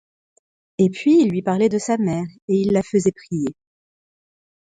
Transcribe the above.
Et puis il lui parlait de sa mère et il la faisait prier.